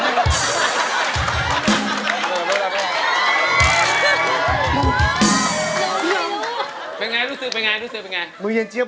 เรายังไม่รู้ว่ายังไม่สรุป